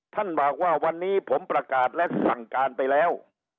ท่านบอกว่าวันนี้ผมประกาศและสั่งการไปแล้ว